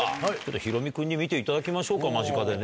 ヒロミ君に見ていただきましょう間近でね。